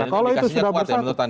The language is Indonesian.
kalau itu sudah bersatu